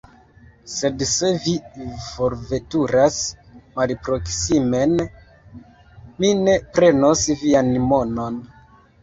Sed se vi forveturas malproksimen, mi ne prenos vian monon.